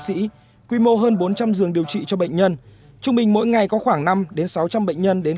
sĩ quy mô hơn bốn trăm linh giường điều trị cho bệnh nhân trung bình mỗi ngày có khoảng năm sáu trăm linh bệnh nhân đến